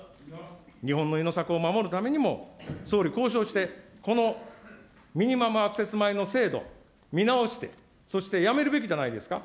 日本の稲作を守るためにも、総理、交渉して、このミニマムアクセス米の制度、見直して、そして、やめるべきじゃないですか。